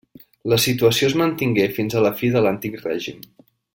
La situació es mantingué fins a la fi de l’antic règim.